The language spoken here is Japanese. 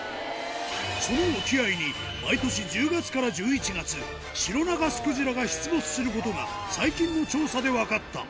その沖合に、毎年１０月から１１月、シロナガスクジラが出没することが、最近の調査で分かった。